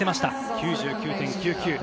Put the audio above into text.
９９．９９。